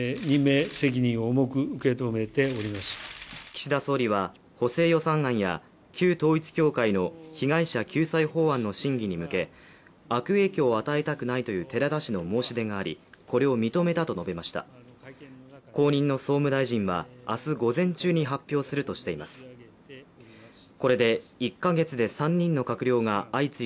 岸田総理は補正予算案や旧統一教会の被害者救済法案の審議に向け悪影響を与えたくないという寺田氏の申し出がありこれを認めたと述べました後任の総務大臣はあす午前中に発表するとしていますフーダブル！